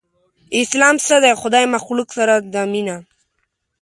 اسلام څه دی؟ خدای مخلوق سره ده مينه